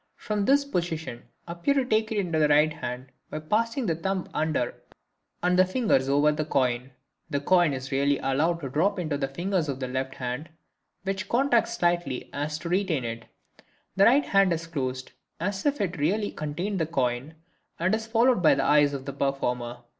From this position appear to take it in the right hand by passing the thumb under and the fingers over the coin. The coin is really allowed to drop into the fingers of the left hand, which contract slightly so as to retain it; the right hand is closed as if it really contained the coin and is followed by the eyes of the performer.